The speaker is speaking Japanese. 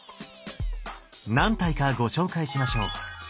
何体かご紹介しましょう。